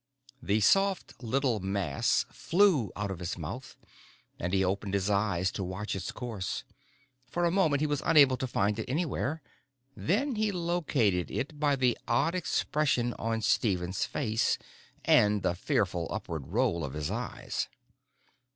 The soft little mass flew out of his mouth, and he opened his eyes to watch its course. For a moment, he was unable to find it anywhere; then he located it by the odd expression on Stephen's face and the fearful upward roll of his eyes.